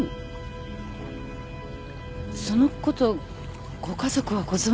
そのことご家族はご存じでしたか？